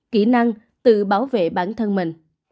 kỹ năng tự bảo vệ bản thân mình